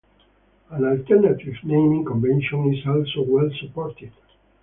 An alternative naming convention is also well supported.